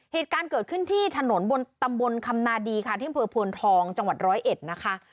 เหตุการณ์เกิดขึ้นที่ถนนบนตำบลคำนาดีค่ะที่อำเภอพวนทองจังหวัดร้อยเอ็ดนะคะ